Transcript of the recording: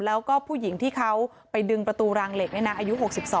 แล้วก็ผู้หญิงที่เขาไปดึงประตูรางเหล็กนี่นะอายุ๖๒